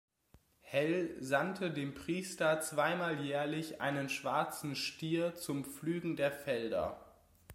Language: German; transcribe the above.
Hel sandte dem Priester zweimal jährlich einen schwarzen Stier zum Pflügen der Felder.